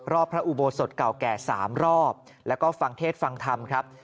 พระอุโบสถเก่าแก่๓รอบแล้วก็ฟังเทศฟังธรรมครับ